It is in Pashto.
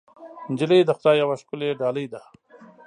نجلۍ د خدای یوه ښکلی ډالۍ ده.